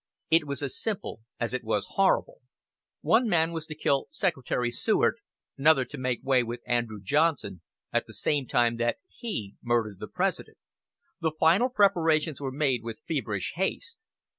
It was as simple as it was horrible. One man was to kill Secretary Seward, another to make way with Andrew Johnson, at the same time that he murdered the President. The final preparations were made with feverish haste.